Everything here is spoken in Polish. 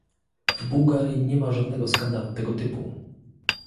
W Bułgarii nie ma żadnego skandalu tego typu